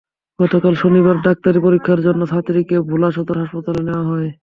গতকাল শনিবার ডাক্তারি পরীক্ষার জন্য ছাত্রীকে ভোলা সদর হাসপাতালে নেওয়া হয়।